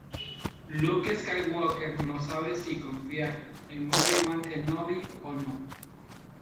Luke Skywalker no sabe si confiar en Obi-Wan Kenobi o no.